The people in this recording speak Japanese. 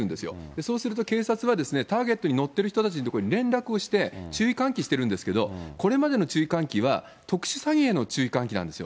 そうすると、警察は、ターゲットに載っている人たちのところに連絡をして、注意喚起してるんですけど、これまでの注意喚起は、特殊詐欺への注意喚起なんですよ。